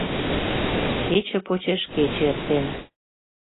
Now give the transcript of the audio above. Кече почеш кече эртен.